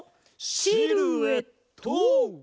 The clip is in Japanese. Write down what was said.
シルエット！